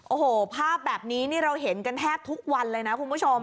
โอ้โหภาพแบบนี้นี่เราเห็นกันแทบทุกวันเลยนะคุณผู้ชม